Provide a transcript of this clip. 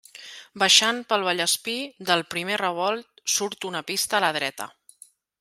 Baixant per Vallespir, del primer revolt surt una pista a la dreta.